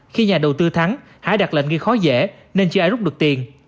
khi nhà đầu tư thắng hải đặt lệnh ghi khó dễ nên chưa ai rút được tiền